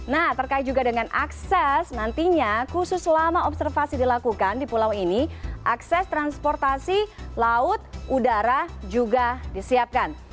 nah terkait juga dengan akses nantinya khusus selama observasi dilakukan di pulau ini akses transportasi laut udara juga disiapkan